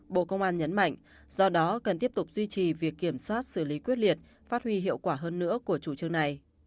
bộ công an nhấn mạnh do đó cần tiếp tục duy trì việc kiểm soát xử lý quyết liệt phát huy hiệu quả hơn nữa của chủ trương này